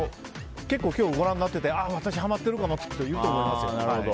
結構、今日ご覧になってて私、はまってるかもと思う方いると思いますよ。